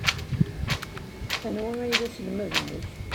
Anwa ay d aselmad-nnek?